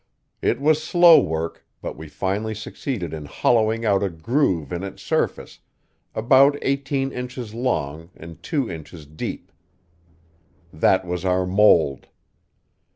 It was slow work, but we finally succeeded in hollowing out a groove in its surface about eighteen inches long and two inches deep. That was our mold.